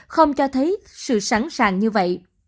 không cho thấy sự sẵn sàng như vậy